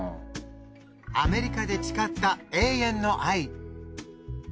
アメリカで誓った永遠の愛。